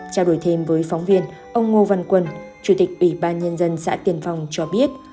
trao đổi thêm với phóng viên ông ngô văn quân chủ tịch ủy ban nhân dân xã tiên phong cho biết